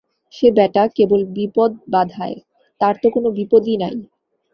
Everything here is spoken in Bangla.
সে বেটা কেবল বিপদ বাধায়, তার তো কোনো বিপদই নাই।